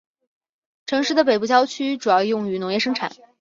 城市的北部郊区主要用于农业生产。